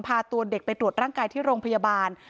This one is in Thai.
พาตัวเด็กไปตรวจร่างกายที่โรงพยาบาล